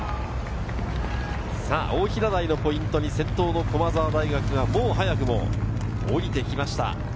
大平台のポイントに先頭の駒澤大学がもう早くも下りてきました。